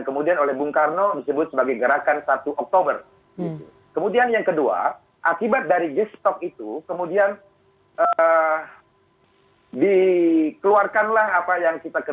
kemudian berlanjut pada tahun dua ribu tiga mpr membuat ketetapan mpr yang terakhir